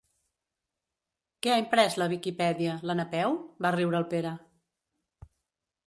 Que ha imprès la Wikipedia, la Napeu? —va riure el Pere.